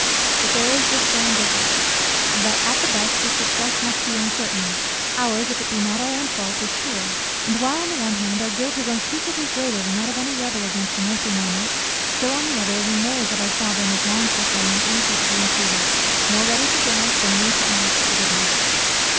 But there is this grand difference that at the best, his success must be uncertain, ours, if it be not our own fault, is sure; and while, on the one hand, our guilt is unspeakably greater than that of any rebel against an earthly monarch; so, on the other, we know that our Sovereign is "Long suffering, and easy to be intreated;" more ready to grant, than we to ask, forgiveness.